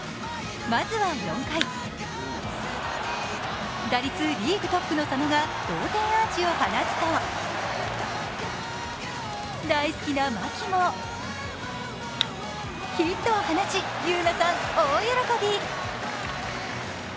まずは４回、打率リーグトップの佐野が同点アーチを放つと大好きな牧も、ヒットを放ち、優来さん、大喜び。